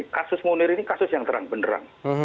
kasus munir ini kasus yang terang benderang